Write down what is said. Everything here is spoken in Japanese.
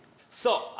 そう！